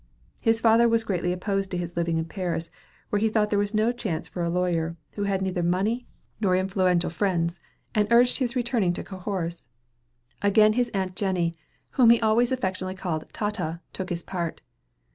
The father was greatly opposed to his living in Paris, where he thought there was no chance for a lawyer who had neither money nor influential friends, and urged his returning to Cahors. Again his aunt Jenny, whom he always affectionately called "Tata," took his part.